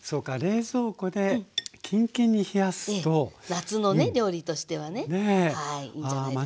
夏のね料理としてはねはいいいんじゃないですか。